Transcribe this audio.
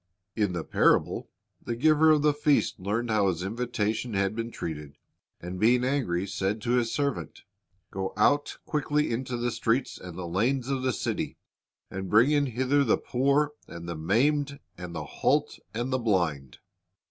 In the parable, the giver of the feast learned how his in vitation had been treated, and "being angry, said to his servant, Go out quickly into the streets and lanes of the cit} , and bring in hither the poor, and the maimed, and the halt, and the blind."